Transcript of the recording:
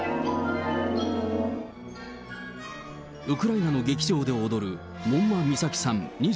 ウクライナの劇場で踊る門馬美沙希さん